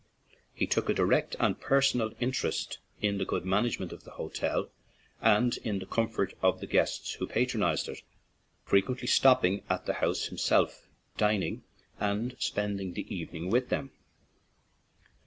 He took a direct and personal interest in the good management of the hotel and in the comfort of the guests who patronized it, frequently stopping at the house him self, dining and spending the evening with them.